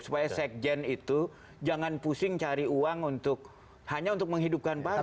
supaya sekjen itu jangan pusing cari uang hanya untuk menghidupkan partai